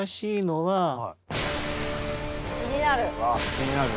気になる。